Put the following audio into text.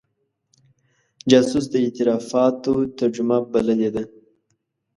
جاسوس د اعترافاتو ترجمه بللې ده.